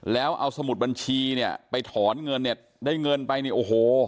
แล้วเอาสมุดบัญชีเนี่ยไปถอนเงินเนี่ยได้เงินไปเนี่ยโอ้โห